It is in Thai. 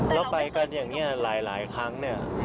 แล้วไปกันอย่างนี้หลายครั้งเนี่ย